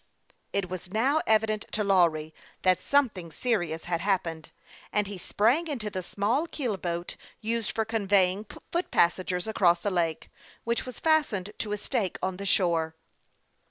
It was now evident to Lawry that something seri ous had happened, and he sprang into the small keel boat, used for conveying foot passengers across the lake, which was fastened to a stake on the shore.